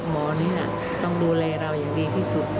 หมอนี้ต้องดูแลเราอย่างดีที่สุด